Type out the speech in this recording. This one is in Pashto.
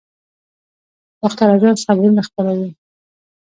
باختر اژانس خبرونه خپروي